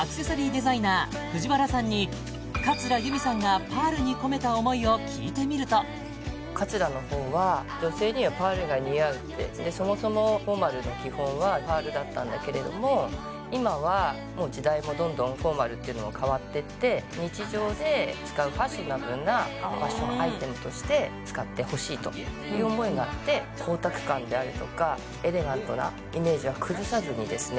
デザイナー藤原さんに桂由美さんがパールに込めた思いを聞いてみると桂のほうは女性にはパールが似合うってそもそもフォーマルの基本はパールだったんだけれども今はもう時代もどんどんフォーマルっていうのも変わってって日常で使うファッショナブルなファッションアイテムとして使ってほしいという思いがあって光沢感であるとかエレガントなイメージは崩さずにですね